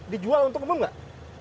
dijual untuk umum nggak